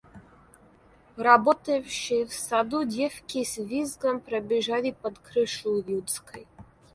Работавшие в саду девки с визгом пробежали под крышу людской.